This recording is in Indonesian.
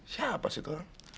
siapa sih itu